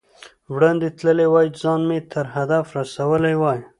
وړاندې تللی وای، ځان مې تر هدف رسولی وای.